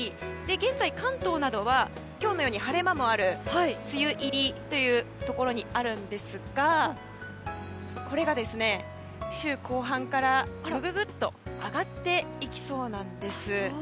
現在、関東などは今日のように晴れ間もある梅雨入りというところにあるんですがこれが、週後半からググっと前線が上がっていきそうです。